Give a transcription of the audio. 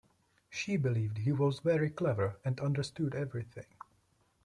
She believed he was very clever, and understood everything.